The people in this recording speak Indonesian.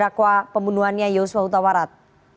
terdakwa pembunuhannya yusuf w tawarat